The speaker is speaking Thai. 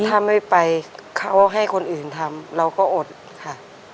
ถ้าไม่ไปเขาให้คนอื่นทำเราก็อดค่ะ